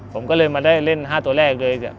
ผมก็เลยมาได้เล่น๕ตัวแรกเลย